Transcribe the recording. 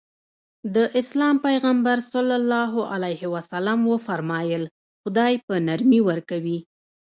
د اسلام پيغمبر ص وفرمايل خدای په نرمي ورکوي.